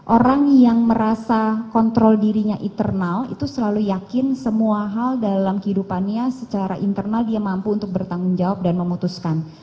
orang yang merasa kontrol dirinya internal itu selalu yakin semua hal dalam kehidupannya secara internal dia mampu untuk bertanggung jawab dan memutuskan